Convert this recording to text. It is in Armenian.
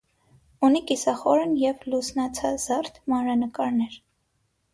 Ունի կիսախորն և լուսանացազարդ մանրանկարներ։